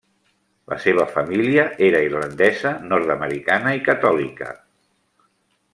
La seva família era irlandesa nord-americana i catòlica.